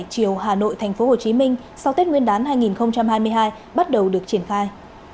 chiều hà nội tp hcm sau tết nguyên đán hai nghìn hai mươi hai bắt đầu được triển khai